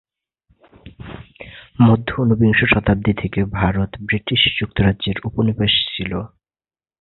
মধ্য-ঊনবিংশ শতাব্দী থেকে ভারত ব্রিটিশ যুক্তরাজ্যের উপনিবেশ ছিল।